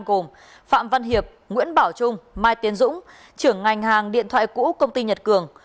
gồm phạm văn hiệp nguyễn bảo trung mai tiến dũng trưởng ngành hàng điện thoại cũ công ty nhật cường